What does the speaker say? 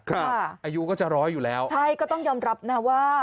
อายุก็จะร้อยอยู่แล้วใช่ก็ต้องยอมรับนะว่า